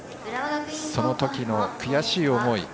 そのときの悔しい思い